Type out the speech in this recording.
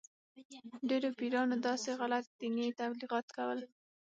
ډېرو پیرانو داسې غلط دیني تبلیغات کول.